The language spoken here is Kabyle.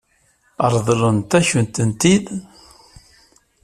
Ṛeḍlen-akent-tent-id?